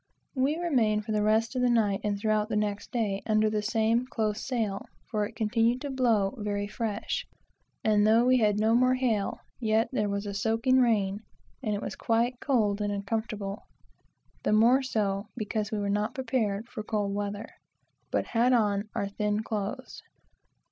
We remained for the rest of the night, and throughout the next day, under the same close sail, for it continued to blow very fresh; and though we had no more hail, yet there was a soaking rain, and it was quite cold and uncomfortable; the more so, because we were not prepared for cold weather, but had on our thin clothes.